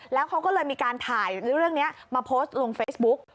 แล้วเขาก็เลยมีการถ่ายเรื่องนี้มาโพสต์ลงเฟซบุ๊ก